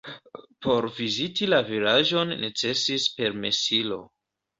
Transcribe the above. Por viziti la vilaĝon necesis permesilo.